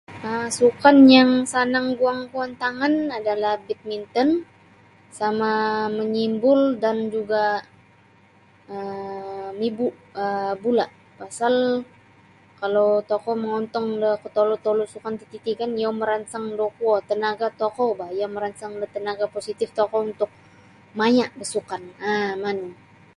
um sukan yang sanang guang kuo antangan adalah badminton sama menyimbul dan juga um mibu bula pasal kalau tokou mengontong da kuo tolu-tolu sukan tatiti kan iyo meransang da kuo tenaga kan tokou ba iya meransang tenaga tokou ba tenaga positip tokou untuk maya basukan um manu